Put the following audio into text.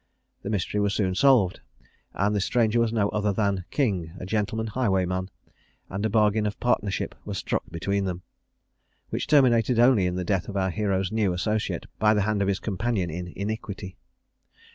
The mystery was soon solved; the stranger was no other than King, the gentleman highwayman, and a bargain of partnership was struck between them, which terminated only with the death of our hero's new associate, by the hand of his companion in iniquity.